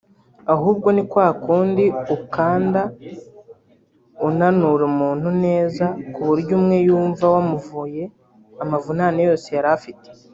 ahubwo ni kwa kundi ukanda/unanura umuntu neza ku buryo ubwe yumva ko wamuvuye amavunane yose yari afite